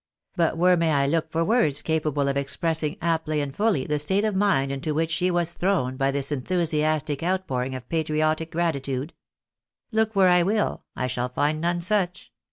But where may I look for words capable of cxj)ressing aptly and fully the state of mind into which she was thrown by this enthusiastic outpouring of patriotic gratitude ? Look where I will, I shall find none such.